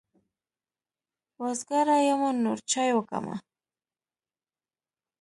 وزګاره يمه نور چای وکمه.